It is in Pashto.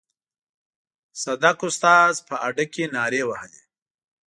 صدک استاد په هډه کې نارې وهلې.